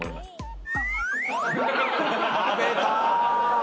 食べた！